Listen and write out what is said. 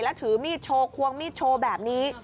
แล้วถือมีดโชว์ควงมีดโชว์แบบนี้